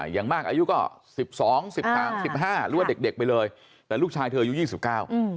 อย่างมากอายุก็๑๒๑๕หรือว่าเด็กไปเลยแต่ลูกชายเธออยู่๒๙อืม